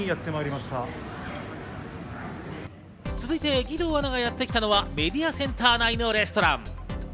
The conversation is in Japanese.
続いて義堂アナがやってきたのはメディアセンター内のレストラン。